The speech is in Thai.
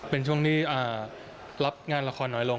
เป็นช่วงที่รับงานละครน้อยลง